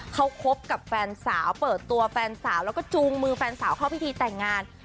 เขาคบกับแฟนสาวเปิดตัวแฟนสาวแล้วก็จูงมือแฟนสาวเข้าพิธีแต่งงาน